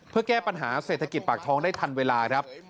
เพื่อแก้ปัญหาเศรษฐกิจปากท้องได้ทันเวลาครับ